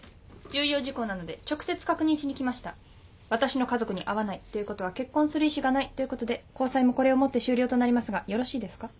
私の家族に会わないということは結婚する意思がないということで交際もこれをもって終了となりますがよろしいですか？